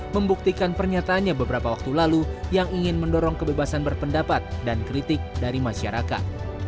membuktikan pernyataannya beberapa waktu lalu yang ingin mendorong kebebasan berpendapat dan kritik dari masyarakat